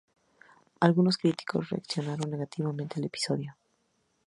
Algunos críticos reaccionaron negativamente al episodio.